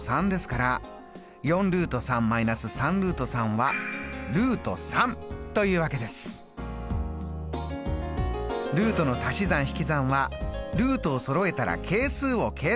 をとすると＝ですからルートの足し算引き算はルートをそろえたら係数を計算！